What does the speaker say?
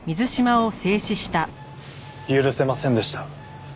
許せませんでした。